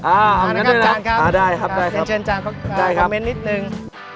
อ่าคำนั้นด้วยนะได้ครับครับครับเดี๋ยวเชิญจานคอมเม้นต์นิดหนึ่ง